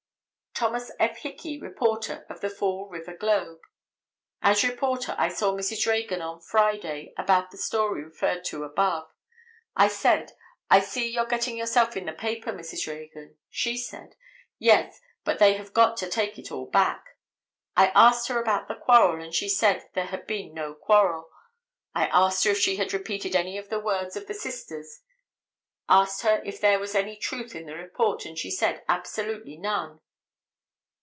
Thomas F. Hickey, reporter, of the Fall River Globe. "As reporter I saw Mrs. Reagan on Friday about the story referred to above; I said: 'I see you're getting yourself in the paper, Mrs. Reagan;' she said: 'Yes, but they have got to take that all back;' I asked her about the quarrel and she said there had been no quarrel; I asked her if she had repeated any of the words of the sisters; asked her if there was any truth in the report, and she said absolutely none."